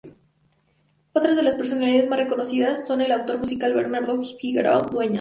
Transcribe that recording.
Otras de las personalidades más reconocidas son el Autor Musical Bernardo Figueroa Dueñas.